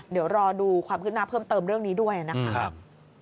เดี๋ยวรอดูความขึ้นหน้าเพิ่มเติมเรื่องนี้ด้วยนะครับ